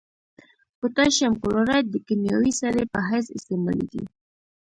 پوتاشیم کلورایډ د کیمیاوي سرې په حیث استعمالیږي.